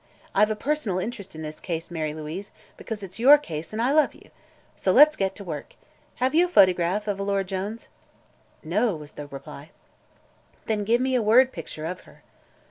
I've a personal interest in this case, Mary Louise, because it's your case and I love you. So let's get to work. Have you a photograph of Alora Jones?" "No," was the reply. "Then give me a word picture of her."